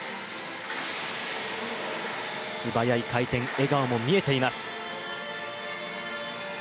素早い回転、笑顔も見えています。